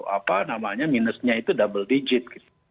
apa namanya minusnya itu double digit gitu